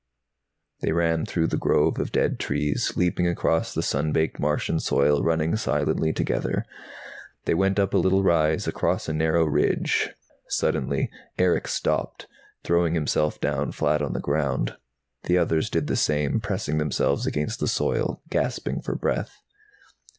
They ran through the groves of dead trees, leaping across the sun baked Martian soil, running silently together. They went up a little rise, across a narrow ridge. Suddenly Erick stopped, throwing himself down flat on the ground. The others did the same, pressing themselves against the soil, gasping for breath.